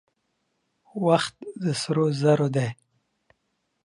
وخت د سرو زرو دی.